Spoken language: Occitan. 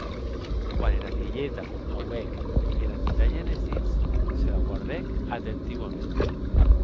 Quan era vielheta auec era midalha enes dits, se la guardèc atentiuament.